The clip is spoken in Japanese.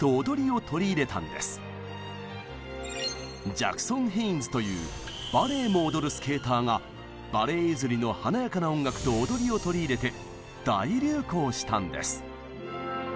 ジャクソン・ヘインズというバレエも踊るスケーターがバレエ譲りの「華やかな音楽と踊り」を取り入れて大流行したんです。